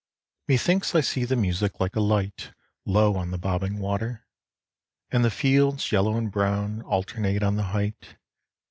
Methinks I see the music like a light Low on the bobbing water, and the fields Yellow and brown alternate on the height.